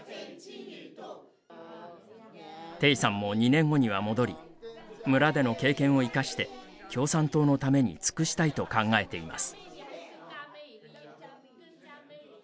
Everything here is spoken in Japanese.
程さんも２年後には戻り村での経験を生かして共産党のために尽くしたいと考えています。